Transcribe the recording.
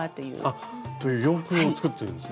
あっという洋服を作ってるほんとだ。